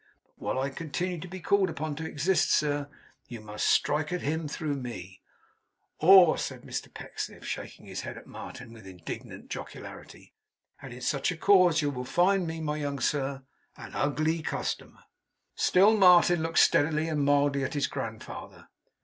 But while I continue to be called upon to exist, sir, you must strike at him through me. Awe!' said Mr Pecksniff, shaking his head at Martin with indignant jocularity; 'and in such a cause you will find me, my young sir, an Ugly Customer!' Still Martin looked steadily and mildly at his grandfather.